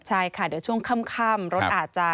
ใช่ค่ะเดี๋ยวช่วงค่ำรถอาจจะ